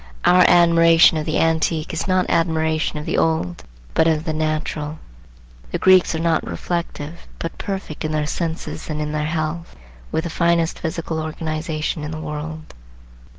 Our admiration of the antique is not admiration of the old, but of the natural. The Greeks are not reflective, but perfect in their senses and in their health, with the finest physical organization in the world.